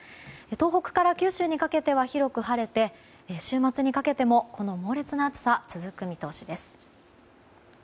東北から九州にかけては広く晴れて週末にかけても猛烈な暑さが続く見通しです。